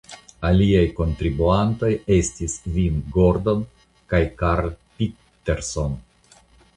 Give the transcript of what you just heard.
Aliaj kontribuantoj estis Vin Gordon kaj Karl Pitterson.